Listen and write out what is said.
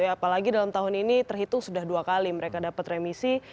apalagi dalam tahun ini terhitung sudah dua kali mereka dapat remisi